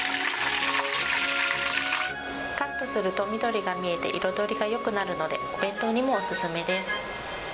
カットすると、緑が見えて、彩りがよくなるので、お弁当にもお勧めです。